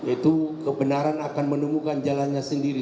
itu kebenaran akan menemukan jalannya sendiri